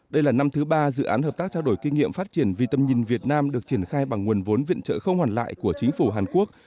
đây là năm thứ ba dự án hợp tác trao đổi kinh nghiệm phát triển vì tầm nhìn việt nam được triển khai bằng nguồn vốn viện trợ không hoàn lại của chính phủ hàn quốc